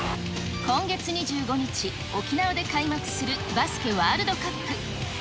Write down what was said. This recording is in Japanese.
今月２５日、沖縄で開幕するバスケワールドカップ。